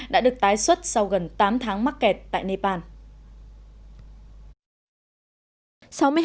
đã được tái xuất sau gần tám tháng mắc kẹt tại nepal